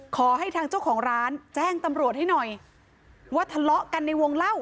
ขอให้ทางเจ้าของร้านแจ้งตำรวจให้หน่อยว่าทะเลาะกันในวงเล่า